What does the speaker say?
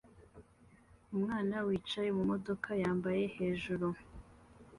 umwana wicaye mumodoka yambaye hejuru